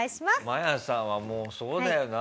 マヤさんはもうそうだよな